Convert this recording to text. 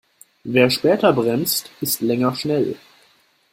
Wer später bremst, ist länger schnell.